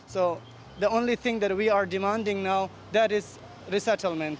jadi hanya yang kita butuhkan sekarang adalah resettlement